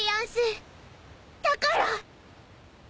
だから。